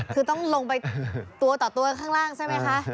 คือต้องลงไปตัวต่อตัวข้างล่างใช่ไหมคะ